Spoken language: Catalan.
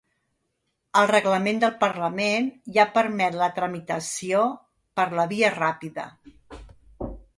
El reglament del parlament ja permet la tramitació ‘per la via ràpida’